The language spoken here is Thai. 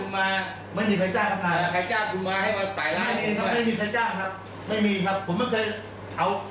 ไม่ช่วยผมได้เลยค่ะ